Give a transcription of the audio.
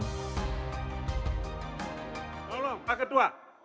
tolong pak ketua